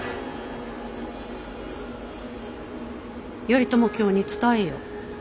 頼朝卿に伝えよ。